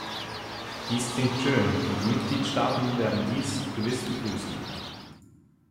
Dies klingt schön, und die Mitgliedstaaten werden dies gewiss begrüßen.